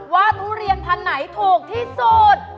ว่าทุเรียนภัณฑ์ไหนถูกที่สุด